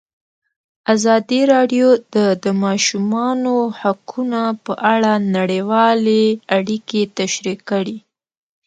ازادي راډیو د د ماشومانو حقونه په اړه نړیوالې اړیکې تشریح کړي.